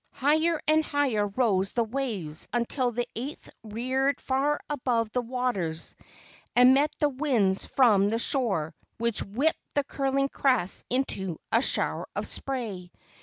Higher and higher rose the waves until the eighth reared far above the waters and met the winds from the shore which whipped the curling crest into a shower of spray.